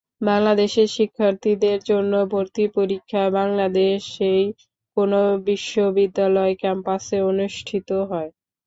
বাংলাদেশের শিক্ষার্থীদের জন্য ভর্তি পরীক্ষা বাংলাদেশেই কোনো বিশ্ববিদ্যালয় ক্যাম্পাসে অনুষ্ঠিত হয়।